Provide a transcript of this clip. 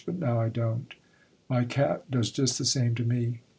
But now I don't. My cat does just the same to me.